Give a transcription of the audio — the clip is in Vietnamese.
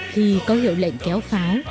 khi có hiệu lệnh kéo pháo